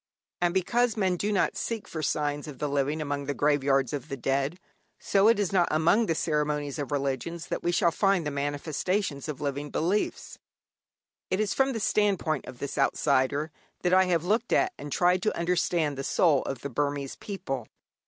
And because men do not seek for signs of the living among the graveyards of the dead, so it is not among the ceremonies of religions that we shall find the manifestations of living beliefs. It is from the standpoint of this outsider that I have looked at and tried to understand the soul of the Burmese people.